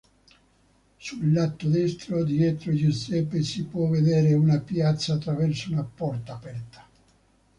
Sul lato destro, dietro Giuseppe, si può vedere una piazza attraverso una porta aperta.